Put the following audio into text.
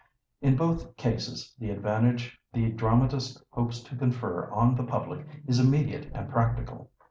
In both cases the advantage the dramatist hopes to confer on the public is immediate and practical.